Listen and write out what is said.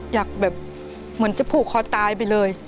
แบบเหมือนจะผูกคอตายไปเลย